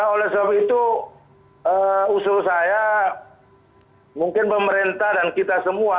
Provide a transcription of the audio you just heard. oleh sebab itu usul saya mungkin pemerintah dan kita semua